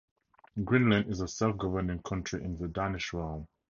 Greenland is a self-governing country in the Danish Realm.